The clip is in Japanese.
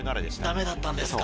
ダメだったんですか。